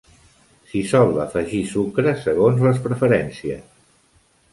S'hi sol afegir sucre segons les preferències.